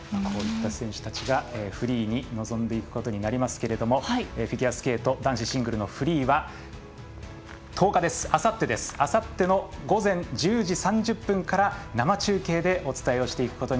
こういった選手たちがフリーに臨んでいくことになりますけどフィギュアスケート男子シングルのフリーは１０日、あさっての午前１０時３０分から生中継でお伝えします。